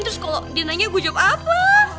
terus kalau dia nanya gue jawab apa